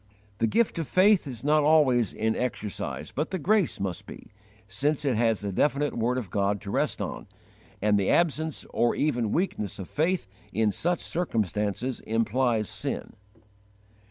The gift of faith is not always in exercise, but the grace must be, since it has the definite word of God to rest on, and the absence or even weakness of faith in such circumstances implies sin.